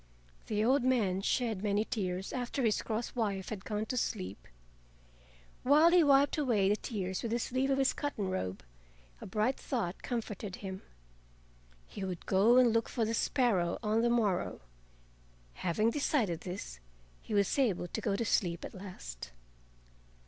The old man shed many tears after his cross wife had gone to sleep. While he wiped away the tears with the sleeve of his cotton robe, a bright thought comforted him: he would go and look for the sparrow on the morrow. Having decided this he was able to go to sleep at last.